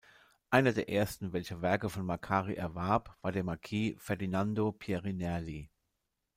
Einer der ersten, welcher Werke von Maccari erwarb, war der Marquis Ferdinando Pieri-Nerli.